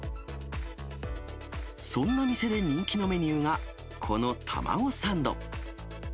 そんな店で人気のメニューが、このたまごサンド。